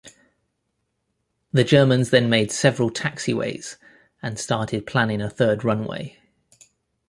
The Germans then made several taxiways and started planning a third runway.